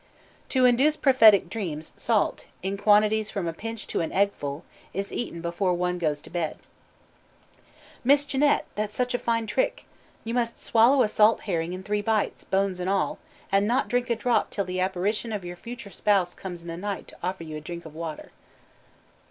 To induce prophetic dreams salt, in quantities from a pinch to an egg full, is eaten before one goes to bed. "'Miss Jeanette, that's such a fine trick! You must swallow a salt herring in three bites, bones and all, and not drink a drop till the apparition of your future spouse comes in the night to offer you a drink of water.'"